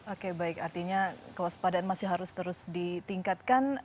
oke baik artinya kewaspadaan masih harus terus ditingkatkan